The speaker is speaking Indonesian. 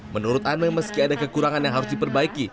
menurut amel meski ada kekurangan yang harus diperbaiki